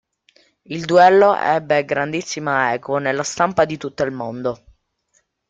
Il duello ebbe grandissima eco nella stampa di tutto il mondo.